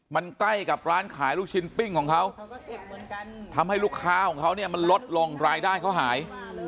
มันใกล้กับร้านขายลูกชิ้นปิ้งของเขาทำให้ลูกค้าของเขาเนี่ยมันลดลงรายได้เขาหาย